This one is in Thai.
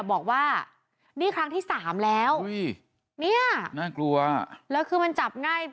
บอกว่านี่ครั้งที่สามแล้วอุ้ยเนี่ยน่ากลัวแล้วคือมันจับง่าย